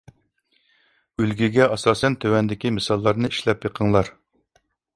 ئۈلگىگە ئاساسەن تۆۋەندىكى مىساللارنى ئىشلەپ بېقىڭلار.